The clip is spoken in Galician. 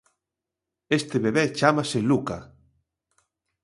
Este bebé chámase Luca.